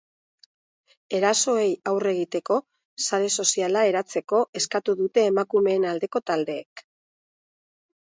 Erasoei aurre egiteko sare soziala eratzeko eskatu dute emakumeen aldeko taldeek.